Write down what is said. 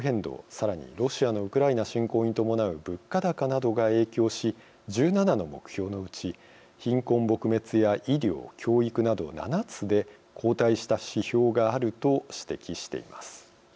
さらにロシアのウクライナ侵攻に伴う物価高などが影響し１７の目標のうち「貧困撲滅」や「医療」「教育」など７つで後退した指標があると指摘しています。